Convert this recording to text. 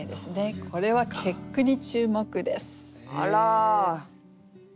これは結句に注目です。